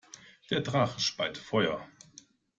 Der Drache speit Feuer.